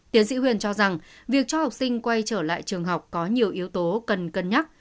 tiến sĩ huyền cho rằng việc cho học sinh quay trở lại trường học có nhiều yếu tố cần cân nhắc